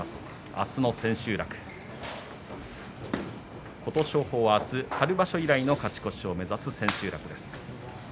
明日の千秋楽で琴勝峰はあす春場所以来の勝ち越しを目指す千秋楽です。